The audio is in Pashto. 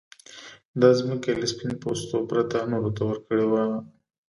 دا ځمکه يې له سپين پوستو پرته نورو ته ورکړې وه.